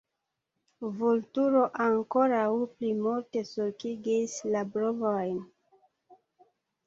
Vulturo ankoraŭ pli multe sulkigis la brovojn.